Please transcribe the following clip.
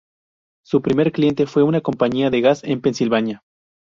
Su primer cliente fue una compañía de gas en Pensilvania.